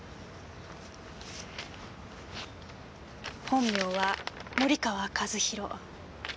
本名は森川和弘。